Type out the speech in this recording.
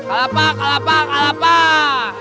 kalapak kalapak kalapak